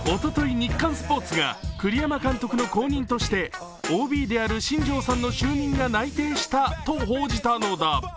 「日刊スポーツ」が栗山監督の後任としてＯＢである新庄さんの就任が内定したと報じたのだ。